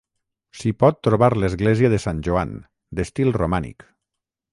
S'hi pot trobar l'església de Sant Joan, d'estil romànic.